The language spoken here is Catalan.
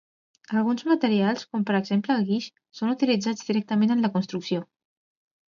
Alguns materials, com per exemple el guix, són utilitzats directament en la construcció.